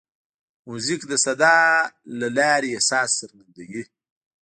موزیک د صدا له لارې احساس څرګندوي.